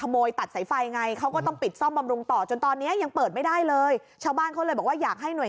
โรยคมบันลงต่อจนตอนนี้ยังเปิดไม่ได้เลยชาวบ้านเขาเลยบอกว่าอยากให้หน่วย